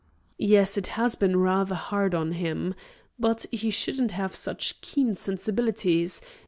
"Yes, it has been rather hard on him. But he shouldn't have such keen sensibilities.